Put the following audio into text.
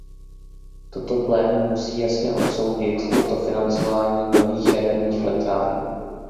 Toto plénum musí jasně odsoudit toto financování nových jaderných elektráren.